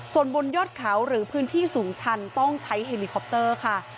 ส่วนบนยอดเขาหรือพื้นที่สูงชันต้องใช้เฮลิคอปเตอร์ค่ะ